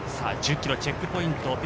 １０ｋｍチェックポイント